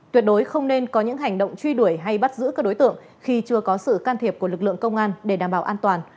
tuyệt đối không nên có những hành động truy đuổi hay bắt giữ các đối tượng khi chưa có sự can thiệp của lực lượng công an để đảm bảo an toàn